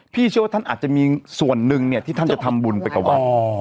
พี่เชื่อว่าท่านอาจจะมีส่วนหนึ่งเนี้ยที่ท่านจะทำบุญไปกว่าอ๋อ